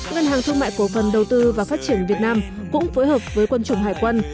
ngân hàng thương mại cổ phần đầu tư và phát triển việt nam cũng phối hợp với quân chủng hải quân